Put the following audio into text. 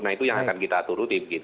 nah itu yang akan kita turuti